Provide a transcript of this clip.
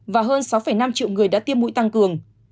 và hơn sáu năm triệu người đã tiêm mũi tăng cường